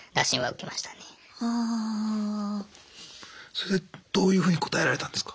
それでどういうふうに答えられたんですか？